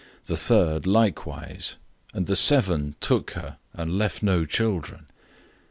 The third likewise; 012:022 and the seven took her and left no children.